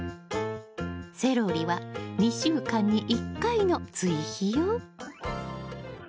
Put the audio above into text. セロリは２週間に１回の追肥よ。